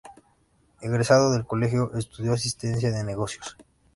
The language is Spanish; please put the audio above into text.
Egresada del colegio estudió Asistencia de Negocios.